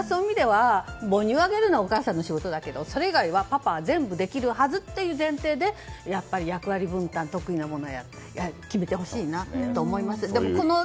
母乳をあげるのはお母さんの仕事だけどそれ以外はパパ全部できるはずという前提でやっぱり役割分担、得意なものを決めてほしいと思います。